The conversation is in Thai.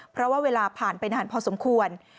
เพราะว่าเวลาผ่านไปนานพอสมควร